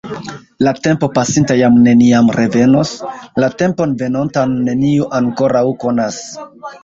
La tempo pasinta jam neniam revenos; la tempon venontan neniu ankoraŭ konas.